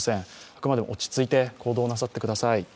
あくまでも落ち着いて行動なさってください。